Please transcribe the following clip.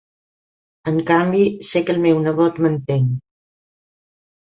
En canvi, sé que el meu nebot m'entén.